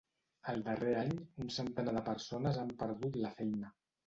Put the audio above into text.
El darrer any, un centenar de persones han perdut la feina.